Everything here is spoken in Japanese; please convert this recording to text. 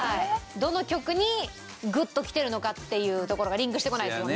どの曲にグッときてるのかっていうところがリンクしてこないですもんね。